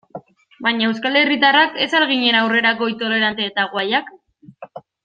Baina euskal herritarrak ez al ginen aurrerakoi, tolerante eta guayak?